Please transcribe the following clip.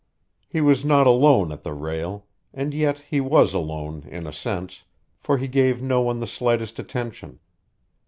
He was not alone at the rail and yet he was alone in a sense, for he gave no one the slightest attention.